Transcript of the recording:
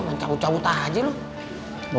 main cabut cabut aja lo